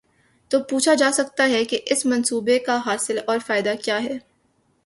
تو پوچھا جا سکتا ہے کہ اس منصوبے کاحاصل اور فائدہ کیا ہے؟